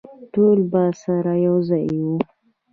ټول به سره یوځای وو.